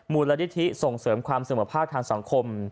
มูลนิธิส่งเสริมความเสมอภาคทางสังคม